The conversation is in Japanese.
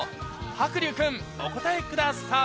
白竜君お答えください